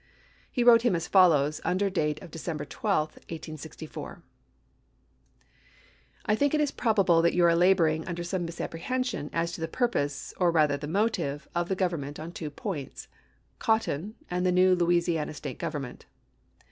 He wrote him as follows, under date of December 12, 1864 : I think it is probable that you are laboring under some misapprehension as to the purpose, or rather the motive, of the Government on two points — cotton, and the new Louisiana State government.